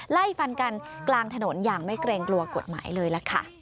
ไล่ฟันกันกลางถนนอย่างไม่เกรงกลัวกฎหมายเลยล่ะค่ะ